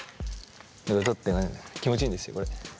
これ取ってね気持ちいいんですよこれ。